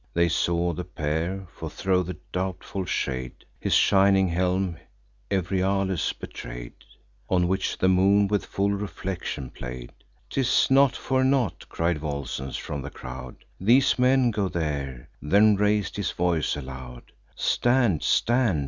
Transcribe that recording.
They saw the pair; for, thro' the doubtful shade, His shining helm Euryalus betray'd, On which the moon with full reflection play'd. "'Tis not for naught," cried Volscens from the crowd, "These men go there;" then rais'd his voice aloud: "Stand! stand!